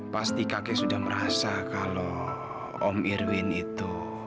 pasti kakek sudah merasa kalau om irwin itu